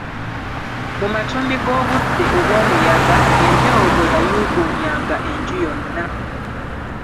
Mu matumbi g'obudde obw'omuyaga, empewo bwe yayuuguumyanga enju yonna.